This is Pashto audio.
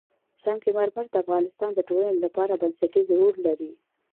سنگ مرمر د افغانستان د ټولنې لپاره بنسټيز رول لري.